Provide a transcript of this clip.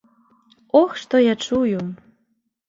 Ох, што я чую.